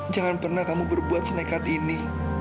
jangan pernah kamu berbuat senekat ini